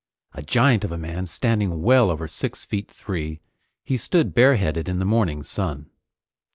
A giant of a man, standing well over six feet three, he stood bareheaded in the morning sun.